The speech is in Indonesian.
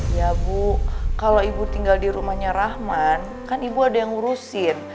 ya bu kalau ibu tinggal di rumahnya rahman kan ibu ada yang ngurusin